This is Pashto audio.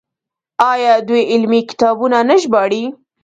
آیا دوی علمي کتابونه نه ژباړي؟